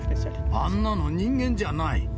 あんなの人間じゃない。